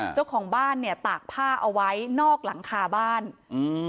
เจ้าของบ้านเนี้ยตากผ้าเอาไว้นอกหลังคาบ้านอืม